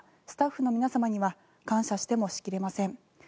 スタッフの皆様には感謝してもしきれません